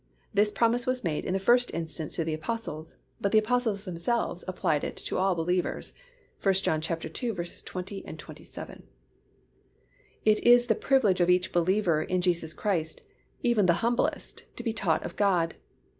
This promise was made in the first instance to the Apostles, but the Apostles themselves applied it to all believers (1 John ii. 20, 27). It is the privilege of each believer in Jesus Christ, even the humblest, to be "taught of God."